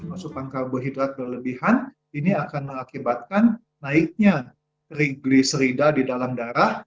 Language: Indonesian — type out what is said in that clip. masukan karbohidrat berlebihan ini akan mengakibatkan naiknya reglicerida di dalam darah